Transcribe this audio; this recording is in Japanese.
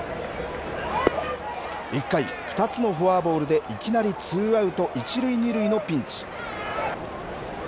１回、２つのフォアボールでいきなりツーアウト１塁２塁のピンチ。